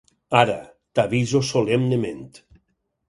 Ara, t'aviso solemnement.